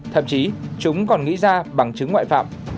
thậm chí chúng còn nghĩ ra bằng chứng ngoại phạm